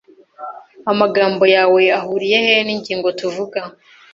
Amagambo yawe ahuriye he ningingo tuvuga?